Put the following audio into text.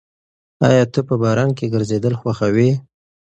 ایا ته په باران کې ګرځېدل خوښوې؟